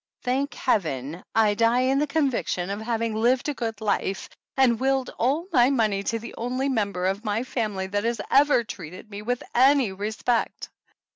"Thank Heaven, I die in the conviction of having lived a good life, and willed all my money to the only member of my family that has ever treated me with any re spect."